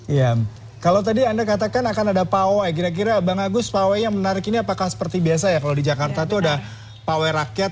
iya kalau tadi anda katakan akan ada pawai kira kira bang agus pawai yang menarik ini apakah seperti biasa ya kalau di jakarta itu ada pawai rakyat